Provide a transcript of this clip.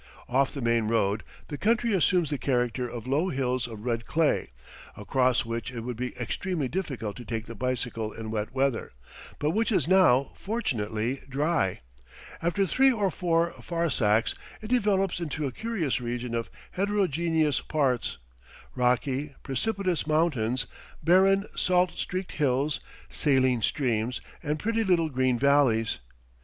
Off the main road the country assumes the character of low hills of red clay, across which it would be extremely difficult to take the bicycle in wet weather, but which is now fortunately dry. After three or four farsakhs it develops into a curious region of heterogeneous parts; rocky, precipitous mountains, barren, salt streaked hills, saline streams, and pretty little green valleys.